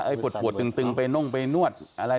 เออถ้าปวดตึงไปน่วงไปนวดอะไร